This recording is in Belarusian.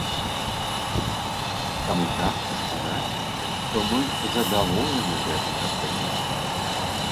Таму цяжка сказаць, што мы задаволены гэтым рашэннем.